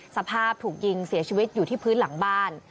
สภาพถูกยิงเสียชีวิตอยู่ที่พื้นหลังบ้าน